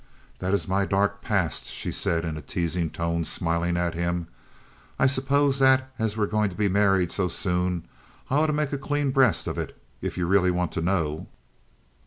"That's my dark past," she said in a teasing tone, smiling at him. "I suppose that as we're going to be married so soon I ought to make a clean breast of it, if you really want to know."